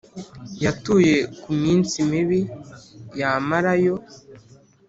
yatuye ku minsi mibi yamarayo.